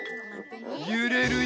ゆれるよ。